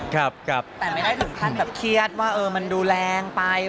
แต่ไม่ได้ถึงความคิดว่ามันดูแรงไป